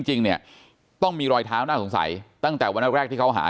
จริงเนี่ยต้องมีรอยเท้าน่าสงสัยตั้งแต่วันแรกที่เขาหา